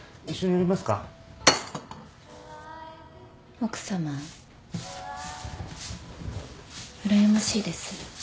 奥さまうらやましいです。